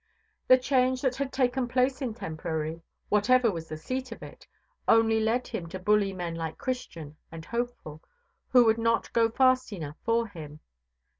The change that had taken place in Temporary, whatever was the seat of it, only led him to bully men like Christian and Hopeful, who would not go fast enough for him.